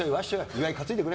岩井、担いでくれ！